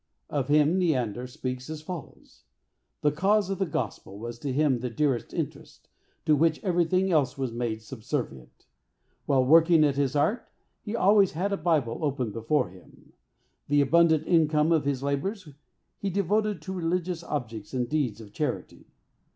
Of him Neander speaks as follows. "The cause of the gospel was to him the dearest interest, to which everything else was made subservient. While working at his art, he always had a Bible open before him. The abundant income of his labors he devoted to religious objects and deeds of charity.